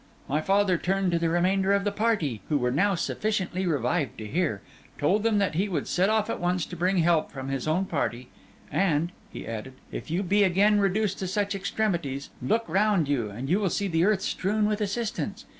My father turned to the remainder of the party, who were now sufficiently revived to hear; told them that he would set off at once to bring help from his own party; 'and,' he added, 'if you be again reduced to such extremities, look round you, and you will see the earth strewn with assistance.